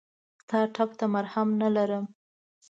ستا ټپ ته مرهم نه لرم !